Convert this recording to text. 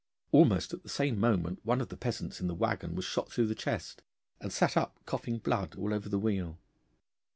Almost at the same moment one of the peasants in the waggon was shot through the chest, and sat up coughing blood all over the wheel.